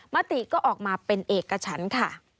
มาตรีก็ออกมาเป็นเอกกระฉันค่ะ